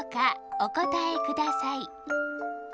おこたえください。